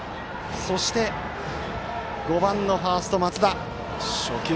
そして５番のファースト、松田。